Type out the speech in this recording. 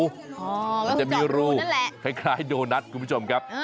อ๋อก็คือเจาะรูนั่นแหละมันจะมีรูคล้ายโดนัสคุณผู้ชมครับ